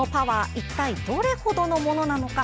一体どれほどのものなのか。